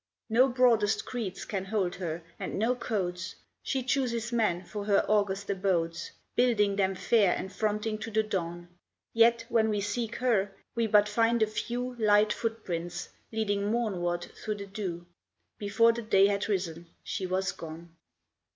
No broadest creeds can hold her, and no codes; She chooses men for her august abodes, Building them fair and fronting to the dawn; Yet, when we seek her, we but find a few Light footprints, leading morn ward through the dew; Before the day had risen, she was gone.